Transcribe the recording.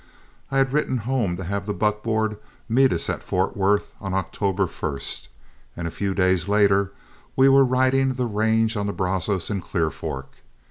I had written home to have the buckboard meet us at Fort Worth on October 1, and a few days later we were riding the range on the Brazos and Clear Fork.